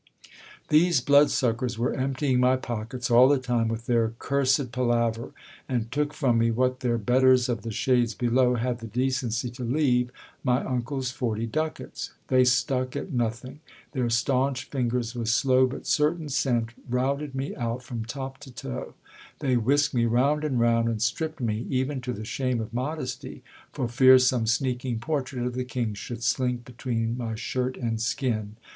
These blood suckers were emptying my pockets all the time with their cursed palaver, and took from me what their betters of the shades below had the decency to leave — my uncle's forty ducats. They stuck at nothing ! Their staunch fingers, with slow but certain scent, routed me out from top to toe ; they whisked me round and round, and stripped me even to the shame of modesty, for fear some sneaking portrait of the king should slink between my shirt and skin.